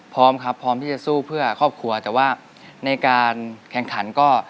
พร้อมครับพร้อมที่จะสู้เพื่อครอบครัวแต่ว่าในการแข่งขันก็